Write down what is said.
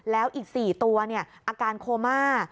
แล้วอีก๔ตัวอาการโคม่า